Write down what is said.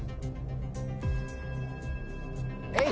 えい！